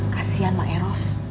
kasihan mbak eros